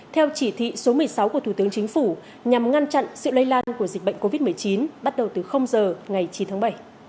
theo chỉ thị số một mươi sáu của thủ tướng chính phủ nhằm ngăn chặn sự lây lan của dịch bệnh covid một mươi chín bắt đầu từ giờ ngày chín tháng bảy